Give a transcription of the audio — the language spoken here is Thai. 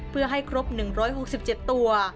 เพื่อให้ครบ๑๖๗ตัว